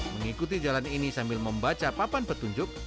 mengikuti jalan ini sambil membaca papan petunjuk